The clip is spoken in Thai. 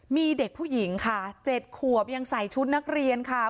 มีเด็กผู้หญิงค่ะ๗ขวบยังใส่ชุดนักเรียนค่ะ